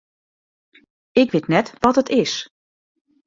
Ik wit net wat it is.